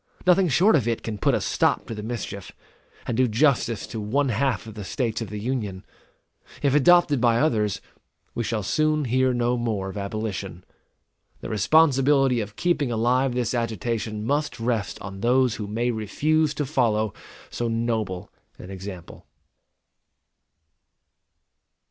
Nothing short of it can put a stop to the mischief, and do justice to one half of the States of the Union. If adopted by others, we shall soon hear no more of abolition. The responsibility of keeping alive this agitation must rest on those who may refuse to follow so noble an example.